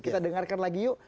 kita dengarkan lagi yuk